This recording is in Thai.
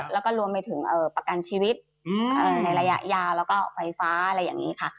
แล้วก็รวมไปถึงประกันชีวิตในระยะยาวแล้วก็ไฟฟ้าอะไรอย่างนี้ค่ะ